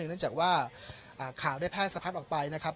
เนื่องจากว่าข่าวได้แพร่สะพัดออกไปนะครับ